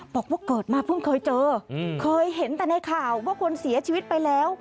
บอกว่าเกิดมาเพิ่งเคยเจอเคยเห็นแต่ในข่าวว่าคนเสียชีวิตไปแล้ว